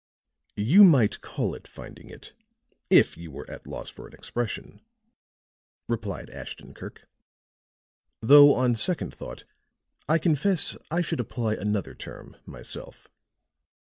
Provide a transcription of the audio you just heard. "You might call it finding it, if you were at loss for an expression," replied Ashton Kirk. "Though on second thought, I confess I should apply another term, myself."